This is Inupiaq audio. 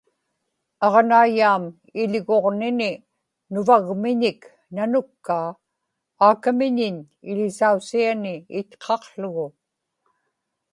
aġnaiyaam iḷguġnini nuvagmiñik nanukkaa aakamiñiñ iḷisausiani itqaqługu